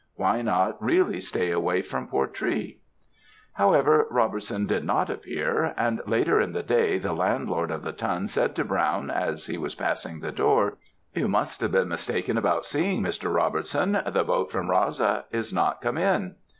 Why not really stay away from Portree? "However, Robertson did not appear; and later in the day the landlord of the Tun said to Brown, as he was passing the door, 'You must have been mistaken about seeing Mr. Robertson; the boat from Raasa is not come in.'